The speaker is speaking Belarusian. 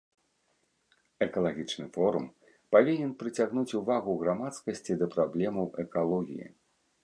Экалагічны форум павінен прыцягнуць увагу грамадскасці да праблемаў экалогіі.